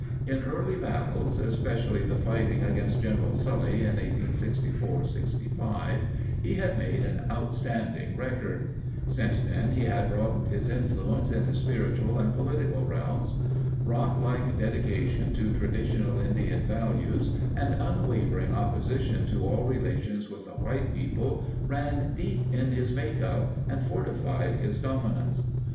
In earlier battles, especially the fighting against General Sully in 1864 65, he had made an outstanding record. Since then, he had broadened his influence into spiritual and political realms. Rocklike dedication to traditional Indian values and unwavering opposition to all relations with the white people ran deep in his makeup and fortified his dominance.